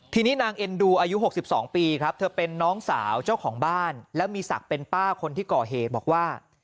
ทีนี้นางเอ็นดูอายุ๖๒ปีครับเธอเป็นน้องสาวเจ้าของบ้านแล้วมีศักดิ์เป็นป้าคนที่ก่อเหตุบอกว่า